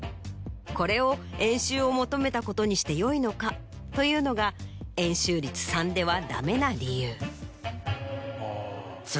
これを円周を求めたことにしてよいのかというのが円周率３ではダメな理由。